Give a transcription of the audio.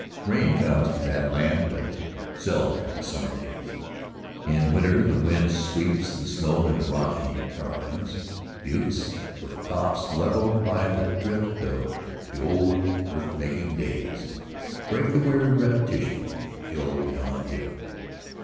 Rain comes to that land but seldom in the summer days; in winter the wind sweeps the snow into rocky cañons; buttes, with tops leveled by the drift of the old, earth making days, break the weary repetition of hill beyond hill.